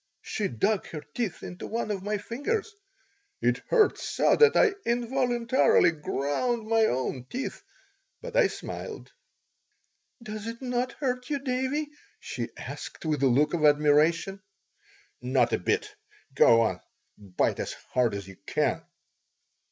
She dug her teeth into one of my fingers. It hurt so that I involuntarily ground my own teeth, but I smiled "Does it not hurt you, Davie?" she asked, with a look of admiration "Not a bit. Go on, bite as hard as you can."